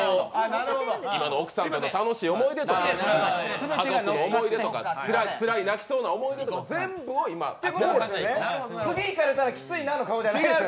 今の奥さんとの楽しい思い出とか家族の思い出とか、つらい泣きそうな思い出とか全部を今次いかれたらきついなの顔じゃないですよね。